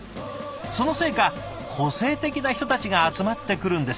そのせいか個性的な人たちが集まってくるんです。